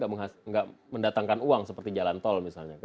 tidak mendatangkan uang seperti jalan tol misalnya